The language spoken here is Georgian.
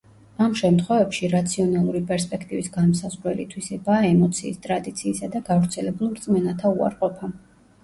ამ შემთხვევებში რაციონალური პერსპექტივის განმსაზღვრელი თვისებაა ემოციის, ტრადიციისა და გავრცელებულ რწმენათა უარყოფა.